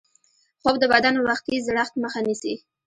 خوب د بدن وختي زړښت مخه نیسي